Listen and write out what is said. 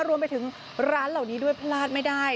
รวมไปถึงร้านเหล่านี้ด้วยพลาดไม่ได้